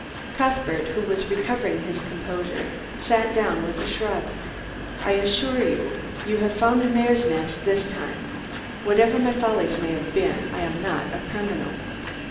Cuthbert, who was recovering his composure, sat down with a shrug. "I assure you, you have found a mare's nest this time. Whatever my follies may have been, I am not a criminal."